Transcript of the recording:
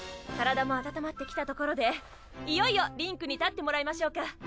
体も温まってきたところでいよいよリンクに立ってもらいましょうか。